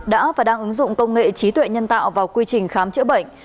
đã và đang ứng dụng công nghệ trí tuệ nhân tạo vào quy trình khám chữa bệnh